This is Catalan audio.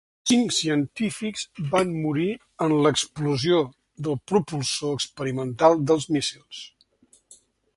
Cinc científics van morir en l’explosió del propulsor experimental dels míssils.